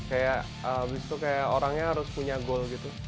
kayak abis itu kayak orangnya harus punya goal gitu